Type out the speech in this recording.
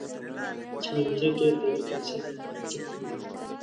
چې په نتیجه کې یې طالب په څېر یو افراطیت وزیږاوه.